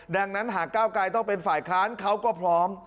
ดังนั้นหากก้าวไกรต้องเป็นฝ่ายค้านเขาก็พร้อม